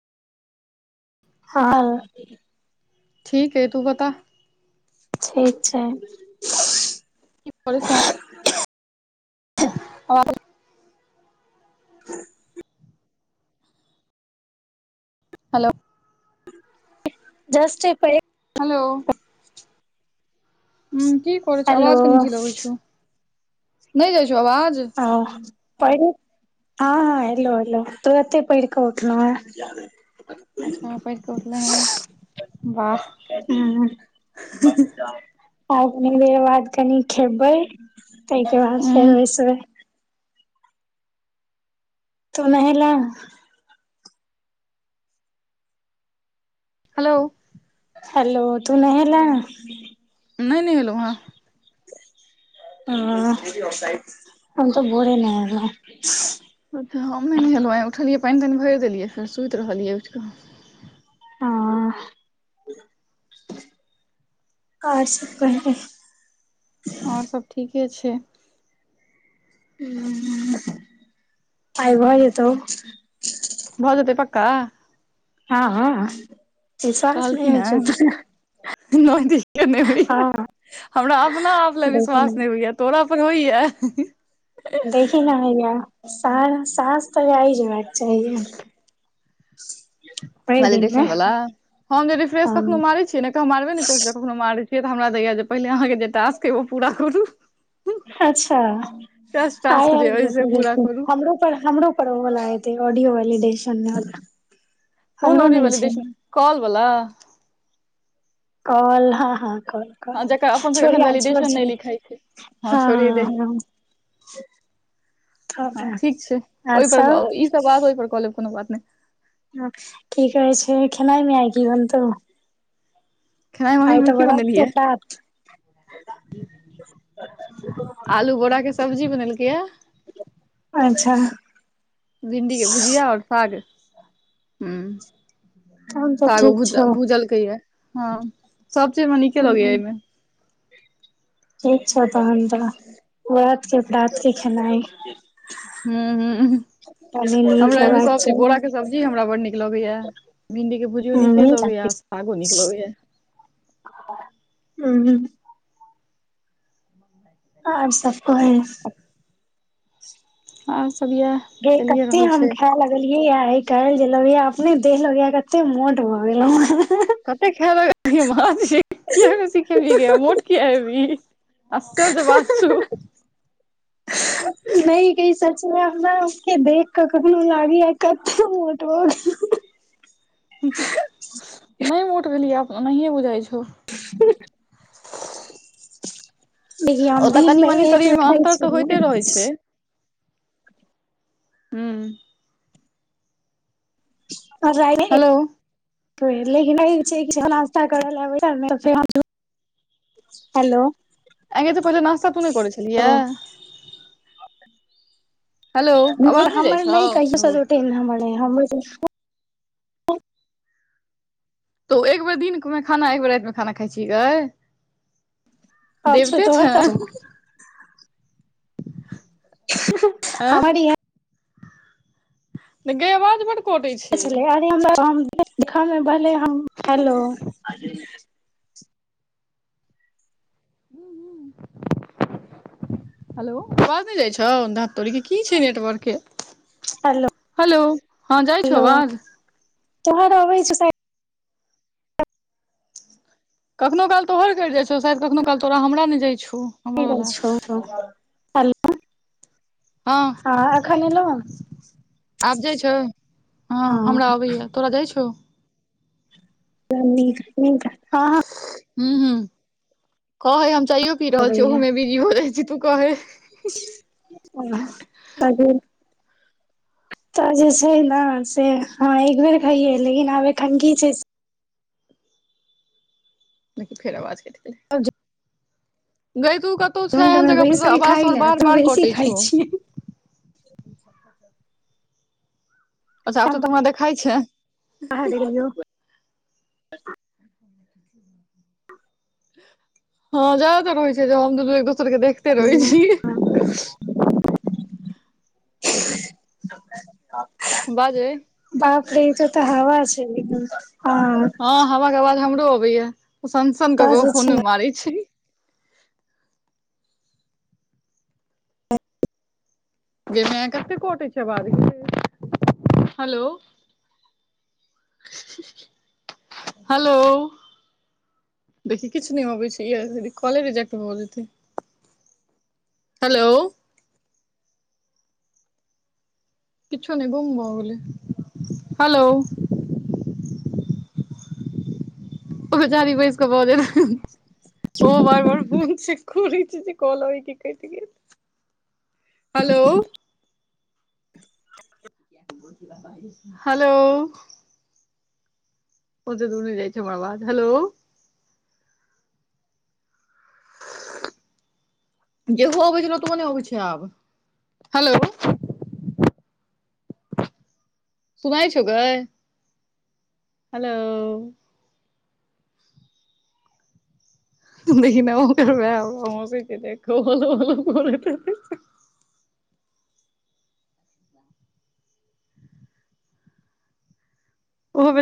हाँ ठीक अइ तू बता ठीक छैय। की करै छैय। आओर [inaudible] हेलो जस्ते ऐ पढ़े के हेलो हुँ कि पड़े छ आवाज कनिथी लगै छौ नहि जाइ छौ आवाज हाँ पारे हाँ -हाँ एलो -एलो तुरते पढ़के उठलऽ है! अच्छा पढ़के उठले है वाह हूं हा -हा आब कनि देर बाद कनि खेबै ताहिके बाद हूँ फेर बेसबे तुऽ नहिलै - हेलो हेलो तू नहेला नइ - नइ नहलो है हाँ हम तऽ भोरे नहैलो। अच्छा हम नहि नेेलहुँ उठलियै पाइन, ताइन, भइर देलियै फेर सुति रहलियै उठि कऽ आ आओर सब कहीयो आओर सब ठीके छैय हुँ आइ भऽ जेतौ भो जतै पक्का हाँ -हाँ लाज नहि होइ छैय तोरा। नय दिक्कत नहि होइया हँ हमरा अपना आप ल देखही विश्वास ने नहि होइया। तोरा पर होइए। देखीही न हइया साँझ सास तऽ वए ही होबाक चाहि, दिन मे वेलिडेशन वला, हम जे रिफ्रेश कखनो हँ मारे छियै हम मारबे नहि करबै। कखनो मारैत छियै तऽ हमरा दैये जे पहिने अहाँके जे टास्क अइ ओ पूरा करू अच्छा टेस्ट आइ टास्क जे आब अइ से जेतै पूरा करू हमरो पर हमरो पढै वला हेतै ऑडियो वलिडेशन कोन वला वैलिडेशन कॉल बला? काल हँ हँ काल। हँ जकर अपन सबके छोड़ एखन आर छोड़ वैलिडेशन नहि छोड़ लिखाइ छै छोड़िये हँ दही हँ। हँ ठीक छै और ओहिपर सब। ई सब बात ओहिपर कऽ लेब कोनो बात नहि की कहै छै खेनाइमे आइ की बनतै? खेनाइ मे मम्मी की बरात के बनेलियै। प्रात आलू बोरा के सब्जी बनेलकैये। अच्छा। भिंडी के भुजिया और साग हु तहन तऽ सागो ठीक भूज छौ भूजलकैये, हँ सब चीज हमरा नीके लगैये हूँ एहिमे। ठीक छौ तहन जाह रात के राति के खेनाइ। हुं हुं कनी नीक हमरा एहिमे हेबाक सब चीज चाही बोरा के सब्जी हमरा बड नीक लगैये। भिंडी के भुजियो नीके लगैये सागो नीक लगैये। हुं। आ आब सबटा अछि। और सब ये। गै कते हम खाय ले लगलियैये आइ काल्हि जे लगैये जे अपने देख के लगैये कते मोट भऽ गेलौं हे। कतेक खेने रहियै माछ किये ने सीखेबही गै मोट कि हेबही, आश्चर्य्य बात छौ। नहि की इ सब सबने उसके देख के कखनो लागैये कते मोट नहि मोट भेलियैये एनाहिए बुझाइ छौ। हुं। लेकिन हम ओतऽ कनि दिनमे मनी एक बेर शरीर मे देखै अन्तर तऽ छियौ होइते ने रहै छै हू। अ ल ह नहि हेलो छै। [unintelligible] ा कर लेबै। [unintelligible] हेलो। आरे तऽ पहिले नास्ता तो नहि करै छलिहे। हेलो नहि आवाज जाइ हमर नहि कहियो छौ सब रोटे हमर हमरो तो एक बेर दिन मे खाना एक बेर रातिमे खाना खाइ छिही गै। अच्छा देवते तोहर तऽ छें। [inaudible] ऐं अबनी [unintelligible] गै आवाज बड कटै छै अर हम हेलो। [unintelligible] ह ह। [inaudible] हेलो, आवाज नै जाइ छौ। धत तोड़ीके की छै नेटवर्कके। हेलो जाइ छौ हेलो आवाज तोहर अबै छै सब कखनो काल तोहर कटि जाइ छौ। शायद कखनो काल तोरा हमरा नहि जाइ छौ। हमर ठीक वला छ। हँ हां एखन एलौ आबि जाइ छै, हँ हमरा हां अबैया। तोरा दै छौ। न हँ। हू हू कहे हम चाइयो पी रहल छी, ओहोमे बीजियो जाै छै तू कह। आ ताजे। तऽ जे छै, ने से हँ एक बेर खइयै लेकिन आब एखनी छै। फेर आवाज क गई तू कब। तु छै झुण्ड एहन मे जगह पर तोहर बैसल आवाज खाइ सँ ले बार तऽ बार बेसी कटे खाइ छौ। छियै अच्छा आब तु तऽ हमरा देखाइ छैय। आ गेलियो। [unintelligible] अऽ। हँ ज्यादातर होइ छै, जे हम दोसर एक दोसर के देख। कहिए ह। [unintelligible] बाजै। बापरे ई त तेऽ हवा छैय हँ। हँ हवा के आवाज हमरो अबैया ओ सनसनक तऽ के जे फोन छै मे मारै छै। गे माय कतेक कोटे छै, आवाज गे बार हेलो। हेलो। देखि किछ नहि होबै छै, इहे कॉले रिजेकट भ जेतै। हेलो। किछ नहि बुम भऽ गेल हेलो। ओजारी बैस कऽ बजै ओ बड़ बड़ बुम छैय। खुरिचे छैय, कि कॉल हयकि कट गेल हेलो। हेलो। ओते दुर नहि जाइ छैय, मा बाध हेलो। जेहो ओबै छलयो सेहो नहि आबै छै, आब हेलो। सुगाय छो गेय। हेलो। देखहि न ओकर भेह हो हंसेत हैते, देखकर हलओ हलओ करैत हैते। ओहो